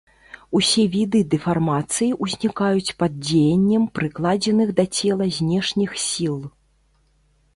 Усе віды дэфармацый узнікаюць пад дзеяннем прыкладзеных да цела знешніх сіл.